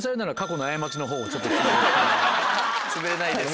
潰れないです。